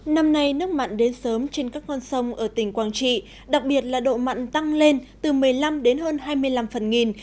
năm nay nước mặn đến sớm trên các con sông ở tỉnh quảng trị đặc biệt là độ mặn tăng lên từ một mươi năm đến hơn hai mươi năm phần nghìn